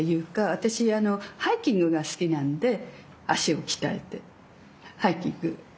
私ハイキングが好きなんで脚を鍛えてハイキング